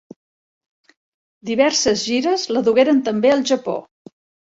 Diverses gires la dugueren també al Japó.